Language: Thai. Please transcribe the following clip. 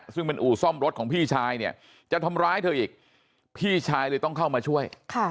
ซึ่งเป็นอู่ซ่อมรถของพี่ชายเนี่ยจะทำร้ายเธออีกพี่ชายเลยต้องเข้ามาช่วย